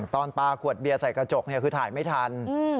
ตอนปาขวดเบียใส่กระจกเนี่ยคือถ่ายไม่ทัน